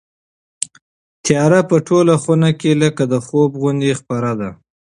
تیاره په ټوله خونه کې لکه د خوب غوندې خپره ده.